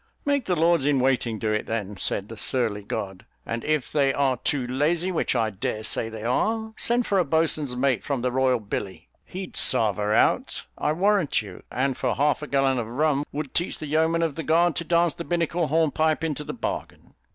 "Make the lords in waiting do it then," said the Surly god; "and if they are too lazy, which I dare say they are, send for a boatswain's mate from the Royal Billy he'd sarve her out, I warrant you; and, for half a gallon of rum, would teach the yeomen of the guard to dance the binnacle hornpipe into the bargain."